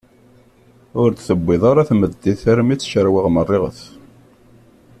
Ur d-tewwiḍ ara tmeddit armi i tt-cerweɣ merriɣet.